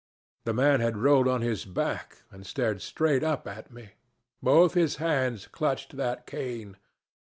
The man had rolled on his back and stared straight up at me; both his hands clutched that cane.